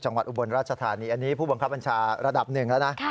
อุบลราชธานีอันนี้ผู้บังคับบัญชาระดับหนึ่งแล้วนะ